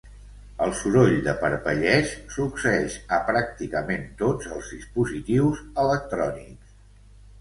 El soroll de parpelleig succeeix a pràcticament tots els dispositius electrònics.